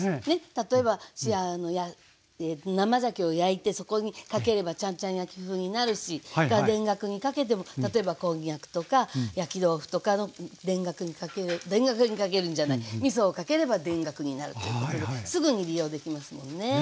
例えば生ざけを焼いてそこにかければちゃんちゃん焼き風になるし田楽にかけても例えばこんにゃくとか焼き豆腐とか田楽にかける田楽にかけるんじゃないみそをかければ田楽になるということですぐに利用できますもんね。